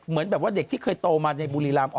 เหมือนเด็กที่เคยโตมาในบุรีลำ